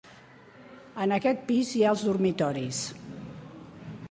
En aquest pis hi ha els dormitoris.